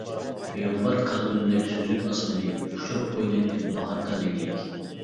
بىغۇبار قەلبىمدەك سۈزۈك ئاسمىنى، ئۇچۇرۇپ ئوينايتتىم باھاردا لەگلەك.